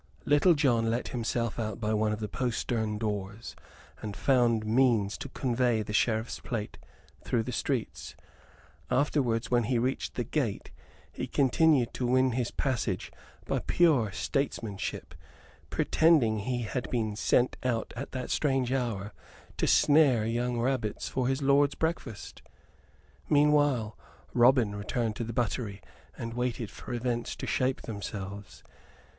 Little John let himself out by one of the postern doors, and found means to convey the Sheriff's plate through the streets. Afterwards when he reached the gate, he continued to win his passage by pure statesmanship, pretending that he had been sent out at that strange hour to snare young rabbits for his lord's breakfast! Meanwhile, Robin returned to the buttery, and waited for events to shape themselves.